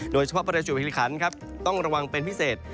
โดยเฉพาะประจุพิริคัณต้องระวังเป็นพิเศษ